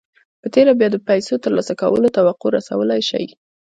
په تېره بيا د پيسو ترلاسه کولو توقع رسولای شئ.